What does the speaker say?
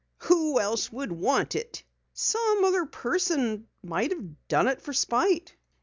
"Who else would want it?" "Some other person might have done it for spite."